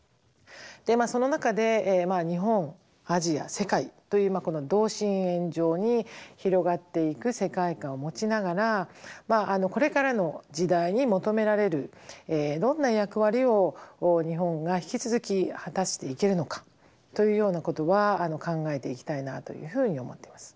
その中で日本アジア世界というこの同心円状に広がっていく世界観を持ちながらこれからの時代に求められるどんな役割を日本が引き続き果たしていけるのかというようなことは考えていきたいなというふうに思ってます。